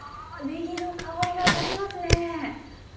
ああねぎの香りが立ちますね！